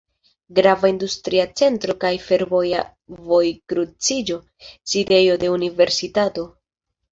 Grava industria centro kaj fervoja vojkruciĝo, sidejo de universitato.